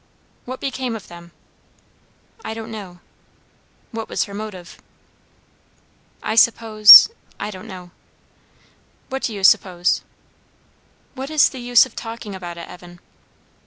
"What became of them?" "I don't know." "What was her motive?" "I suppose I don't know." "What do you suppose?" "What is the use of talking about it, Evan?"